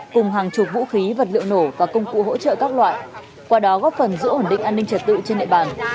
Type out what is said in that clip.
cùng hàng chục vũ khí vật liệu nổ và công cụ hỗ trợ các loại qua đó góp phần giữ ổn định an ninh trật tự trên địa bàn